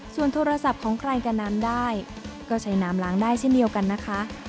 ส่วนโทรศัพท์ของใครกับน้ำได้ก็ใช้น้ำล้างได้เช่นเดียวกันนะคะ